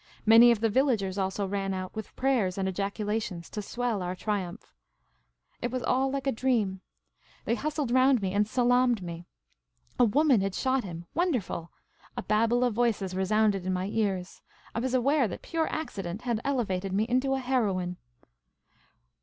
Many of the villagers also ran out, with prayers and ejaculations, to swell our triumph. It was all like a dream. They hustled round me and salaamed to me. A woman had shot him ! Wonderful ! A babel of voices resounded in my ears. I was aware that pure accident had elevated me into a heroine.